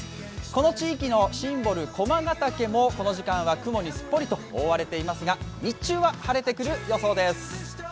この地域のシンボル、駒ヶ岳はこの時間は雲に覆われていますが、日中は晴れてくる予想です。